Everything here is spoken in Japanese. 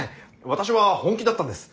私は本気だったんです。